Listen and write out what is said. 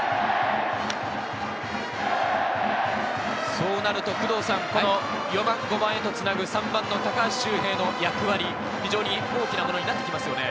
そうなると、４番、５番へとつなぐ３番の高橋周平の役割、非常に大きなものになってきますよね。